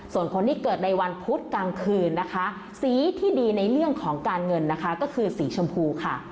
ส่วนคนที่เกิดในวันพุธกลางคืนนะคะสีที่ดีในเรื่องของการเงินนะคะก็คือสีชมพูค่ะ